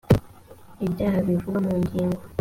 ibyaha bivugwa mu ngingo